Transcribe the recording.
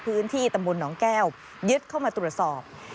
พื้นที่ตำบลหนองแก้วยึดเข้ามาตรวจสอบ